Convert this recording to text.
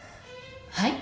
はい？